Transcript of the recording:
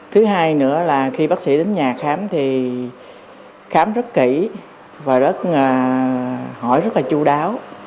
thứ hai nữa là khi bác sĩ đến nhà khám thì khám rất kỹ và rất hỏi rất là chú đáo